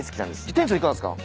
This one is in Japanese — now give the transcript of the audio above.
店長いかがですか？